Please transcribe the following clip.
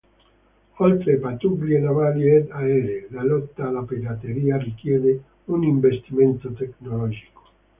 Oltre a pattuglie navali ed aeree, la lotta alla pirateria richiede un investimento tecnologico.